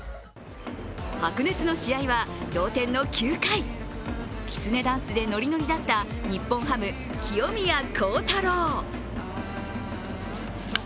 白熱の試合は同点の９回、きつねダンスでノリノリだった日本ハム・清宮幸太郎。